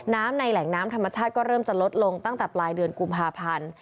ในแหล่งน้ำธรรมชาติก็เริ่มจะลดลงตั้งแต่ปลายเดือนกุมภาพันธ์